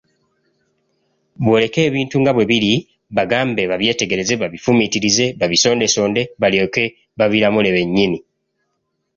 Bw'oleke ebintu nga bwe biri, bagambe babyetegereze, babifumitirize, babisondesonde, balyoke babiramule bennyini.